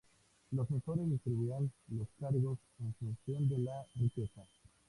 Los censores distribuían los cargos en función de la riqueza.